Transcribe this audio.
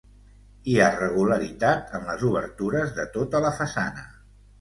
Hi ha regularitat en les obertures de tota la façana.